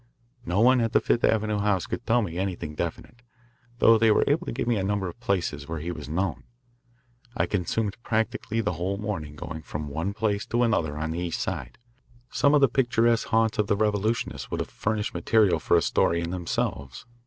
No one at the Fifth Avenue house could tell me anything definite, though they were able to give me a number of places where he was known. I consumed practically the whole morning going from one place to another on the East Side. Some of the picturesque haunts of the revolutionists would have furnished material for a story in themselves.